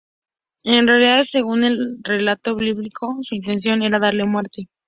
En realidad, según el relato bíblico, su intención era darle muerte.